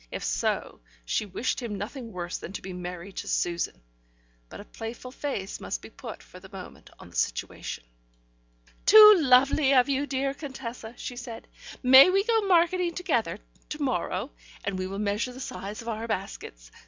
If so, she wished him nothing worse than to be married to Susan. But a playful face must be put, for the moment, on the situation. "Too lovely of you, dear Contessa," she said. "May we go marketing together to morrow, and we will measure the size of our baskets?